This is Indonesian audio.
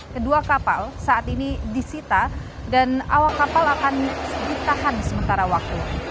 kedua kapal saat ini disita dan awak kapal akan ditahan sementara waktu